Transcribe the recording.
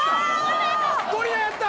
ゴリラやった！